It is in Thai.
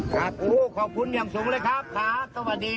กำนันเห็นเป็นยังไงบ้างครับเนี่ย